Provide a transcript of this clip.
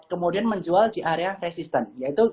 kemudian menjual di area resistant